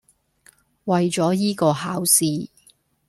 為咗依個考試